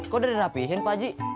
kok udah dirapihin pak haji